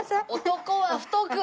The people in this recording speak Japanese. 男は太く。